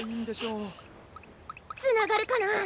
つながるかな？